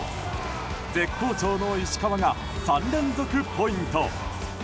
絶好調の石川が３連続ポイント。